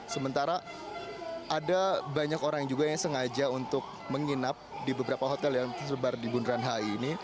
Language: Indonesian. sementara ada banyak orang yang juga sengaja untuk menginap di beberapa hotel yang tersebar di bundaran haini